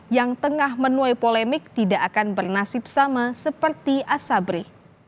yang tengah menuai polemik tidak akan bernasib sama seperti asabri